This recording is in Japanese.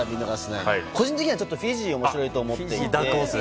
個人的にはフィジー面白いと思ってて。